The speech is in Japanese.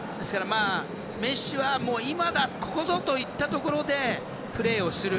メッシは今だ、ここぞといったところでプレーをする。